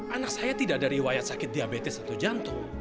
anak saya tidak ada riwayat sakit diabetes atau jantung